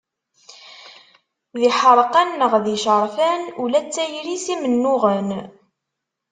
D iḥerqan neɣ d icerfan, ula d tayri-s d imennuɣen.